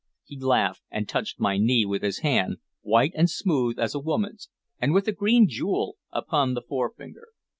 He laughed, and touched my knee with his hand, white and smooth as a woman's, and with a green jewel upon the forefinger.